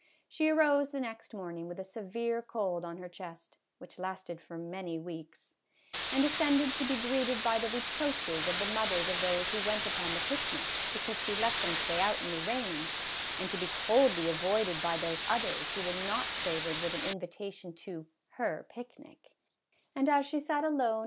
She arose the next morning with a severe cold on her chest (which lasted for many weeks), and de scended to be greeted by the reproaches of the mothers of those who went upon the picnic, because she let them stay out in the rain, and to be coldly avoided by those others who were not favored with an invitation to " her picnic," and as she sat alone MRS.